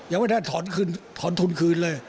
ยังไม่ได้ถอนทุนคืนเลย